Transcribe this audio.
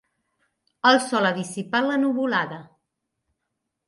El sol ha dissipat la nuvolada.